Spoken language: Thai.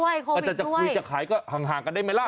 อาจจะจะคุยจะขายก็ห่างกันได้ไหมล่ะ